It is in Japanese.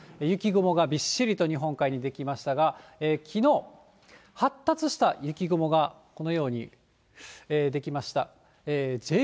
雪雲がびっしりと日本海に出来ましたが、きのう、発達した雪雲が、このように出来ました。